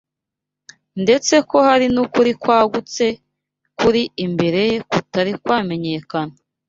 ndetse ko hari n’ukuri kwagutse kuri imbere ye kutari kwamenyekana